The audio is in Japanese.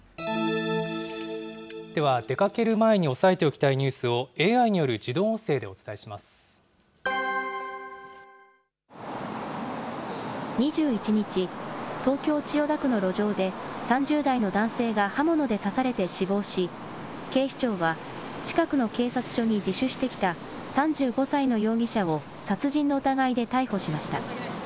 では、出かける前に押さえておきたいニュースを、ＡＩによる自動音声で２１日、東京・千代田区の路上で、３０代の男性が刃物で刺されて死亡し、警視庁は近くの警察署に自首してきた３５歳の容疑者を殺人の疑いで逮捕しました。